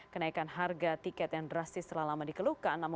kenyamanan dan kecepatan sampai tujuan